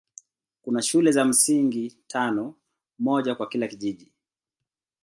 Kuna shule za msingi tano, moja kwa kila kijiji.